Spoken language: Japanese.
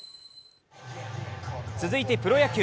続いてプロ野球。